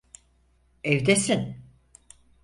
Evdesin.